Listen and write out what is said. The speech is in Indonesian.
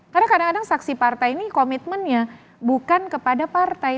karena kadang kadang saksi partai ini komitmennya bukan kepada partai